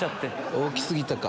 大き過ぎたか。